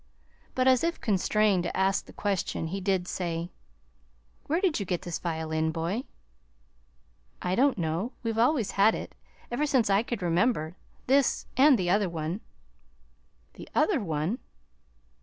But, as if constrained to ask the question, he did say: "Where did you get this violin, boy?" "I don't know. We've always had it, ever since I could remember this and the other one." "The OTHER one!"